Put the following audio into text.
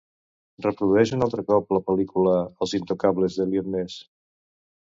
Reprodueix un altre cop la pel·lícula "Els intocables d'Eliot Ness".